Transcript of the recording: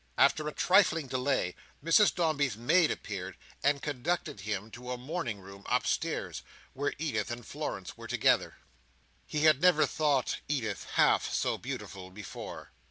After a trifling delay, Mrs Dombey's maid appeared, and conducted him to a morning room upstairs, where Edith and Florence were together. He had never thought Edith half so beautiful before.